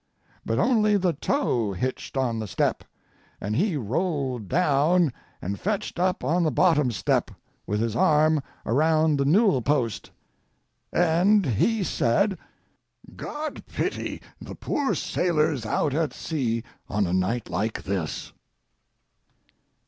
But only the toe hitched on the step, and he rolled down and fetched up on the bottom step, with his arm around the newel post, and he said: "God pity the poor sailors out at sea on a night like this."